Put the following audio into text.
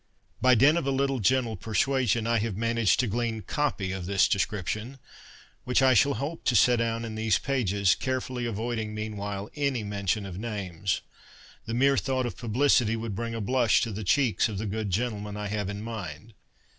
By dint of a little gentle persuasion I have managed to glean ' copy ' of this description, which I shall hope to set down in these pages, carefully avoiding mean while any mention of names. The mere thought of publicity would bring a blush to the cheeks of the good gentlemen I have in mind.